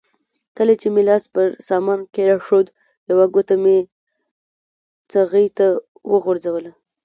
کله چې مې لاس پر سامان کېښود یوه ګوته مې څغۍ ته وغځوله.